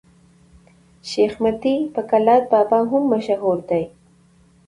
شېخ متي په کلات بابا هم مشهور دئ.